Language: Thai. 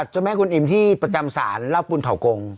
เจ้าแม่คนอิ่มที่ประจำศาลรับบุญเถาโกง